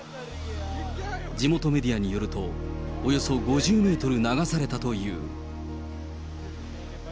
地元メディアによると、およそ５０メートル流されたという。